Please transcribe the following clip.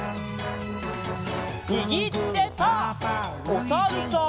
おさるさん。